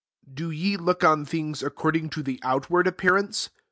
7 Do ye look on things ac cording to the outward appear ance